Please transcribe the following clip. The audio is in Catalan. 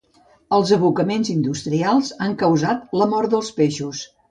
Els abocaments industrials han causat la mort dels peixos.